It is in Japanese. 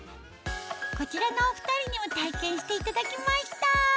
こちらのお２人にも体験していただきました